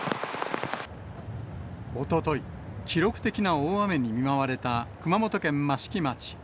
おととい、記録的な大雨に見舞われた熊本県益城町。